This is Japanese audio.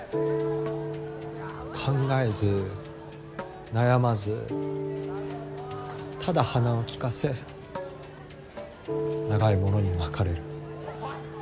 考えず悩まずただ鼻を利かせ長いものに巻かれる。